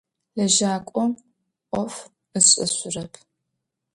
Лэжьакӏом ӏоф ышӏэшъурэп.